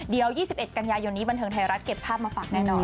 เดี๋ยว๒๑กันยายนนี้บันเทิงไทยรัฐเก็บภาพมาฝากแน่นอน